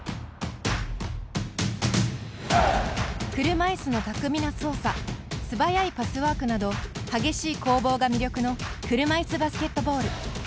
車いすの巧みな操作素早いパスワークなど激しい攻防が魅力の車いすバスケットボール。